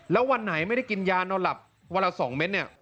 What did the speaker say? แล้ววันไหนไม่ได้กินยานอนหลับวันละ๒เม็ดเนี่ย